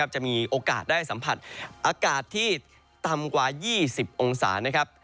จะมีโอกาสได้สัมผัสอากาศที่ต่ำกว่า๒๐องศานะครับ